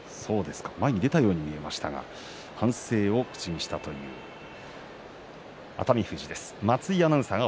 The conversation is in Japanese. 前に出たように見えましたが、反省を口にしたという熱海富士です。